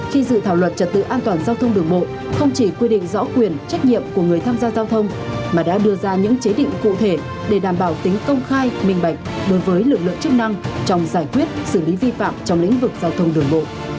khi dự thảo luật trật tự an toàn giao thông đường bộ không chỉ quy định rõ quyền trách nhiệm của người tham gia giao thông mà đã đưa ra những chế định cụ thể để đảm bảo tính công khai minh bạch đối với lực lượng chức năng trong giải quyết xử lý vi phạm trong lĩnh vực giao thông đường bộ